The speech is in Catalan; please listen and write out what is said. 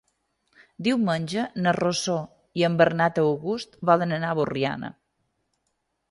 Diumenge na Rosó i en Renat August volen anar a Borriana.